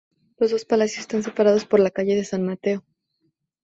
Los dos palacios están separados por la calle de San Mateo.